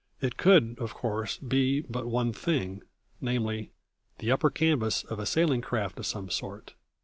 It could, of course, be but one thing, namely, the upper canvas of a sailing craft of some sort.